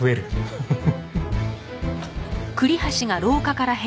フフフ。